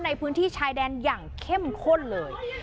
ในพื้นที่ชายแดนอย่างเข้มข้นเลย